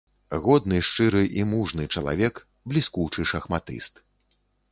Годны, шчыры і мужны чалавек, бліскучы шахматыст.